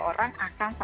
orang akan salah